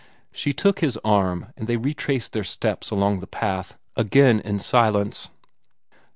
She took his arm, and they retraced their steps along the path, again in silence.